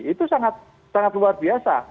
itu sangat luar biasa